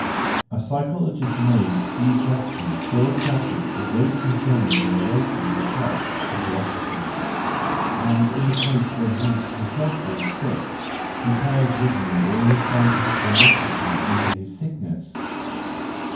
. A psychologist knows few questions so attractive as those concerning the relations of health to philosophy, and in the case when he himself falls sick, he carries with him all his scientific curiosity into his sickness.